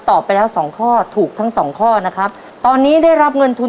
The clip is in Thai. ไปแล้วสองข้อถูกทั้งสองข้อนะครับตอนนี้ได้รับเงินทุน